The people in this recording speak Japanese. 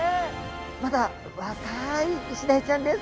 まだ若いイシダイちゃんです。